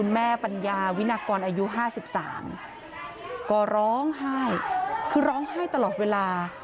แม่ปัญญาวินากรอายุห้าสิบสามก็ร้องไห้คือร้องไห้ตลอดเวลา